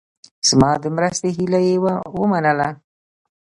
زما د مرستې هیله یې ومنله.